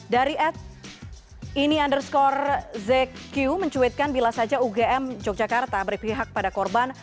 dari ad ini underscore zqq mencuitkan bila saja ugm yogyakarta berpihak pada korban